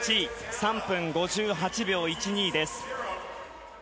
３分５８秒１２です。